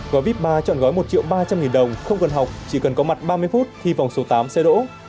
gói vip ba chọn gói một triệu ba trăm linh đồng không cần học chỉ cần có mặt ba mươi phút thì vòng số tám sẽ đỗ